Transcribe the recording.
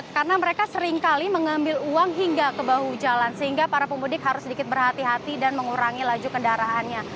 karena mereka seringkali mengambil uang hingga ke bahu jalan sehingga para pemudik harus sedikit berhati hati dan mengurangi laju kendaraannya